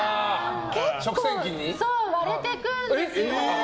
結構割れていくんです。